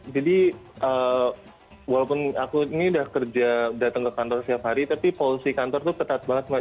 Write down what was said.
jadi walaupun aku ini udah kerja datang ke kantor setiap hari tapi polusi kantor itu ketat banget mbak